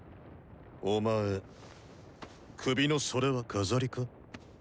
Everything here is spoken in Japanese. お前首のそれは飾りか？